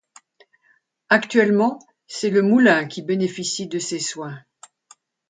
Actuellement, c'est le moulin qui bénéficie de ses soins.